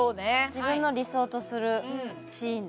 自分の理想とするシーンですよ。